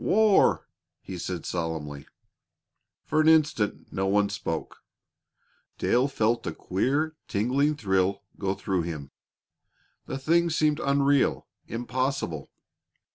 "War!" he said solemnly. For an instant no one spoke. Dale felt a queer, tingling thrill go through him. The thing seemed unreal, impossible.